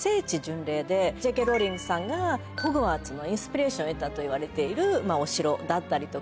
Ｊ・Ｋ・ローリングさんがホグワーツのインスピレーションを得たといわれているお城だったりとか。